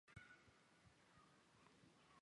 小水鼠属等之数种哺乳动物。